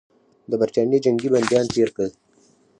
د برټانیې جنګي بندیان تېر کړل.